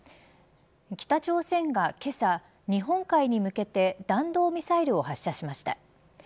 北朝鮮がけさ、日本海に向けて弾道ミサイルを発射しました。